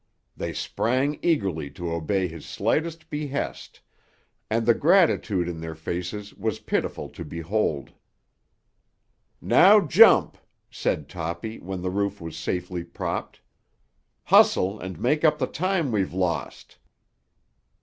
They sprang eagerly to obey his slightest behest, and the gratitude in their faces was pitiful to behold. "Now jump!" said Toppy when the roof was safely propped. "Hustle and make up the time we've lost."